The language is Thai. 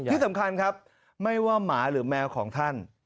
ที่สำคัญครับไม่ว่าหมาหรือแมวของท่าน